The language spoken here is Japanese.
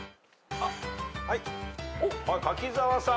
柿澤さん